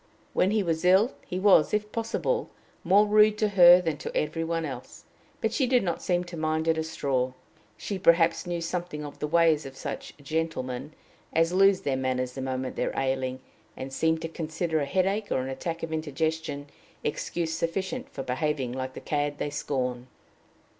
When he was ill, he was, if possible, more rude to her than to every one else, but she did not seem to mind it a straw. Perhaps she knew something of the ways of such gentlemen as lose their manners the moment they are ailing, and seem to consider a headache or an attack of indigestion excuse sufficient for behaving like the cad they scorn.